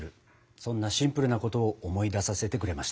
そんなシンプルなことを思い出させてくれました。